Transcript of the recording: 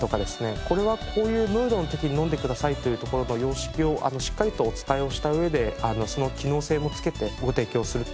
これはこういうムードの時に飲んでくださいというところの様式をしっかりとお伝えをした上でその機能性もつけてご提供する。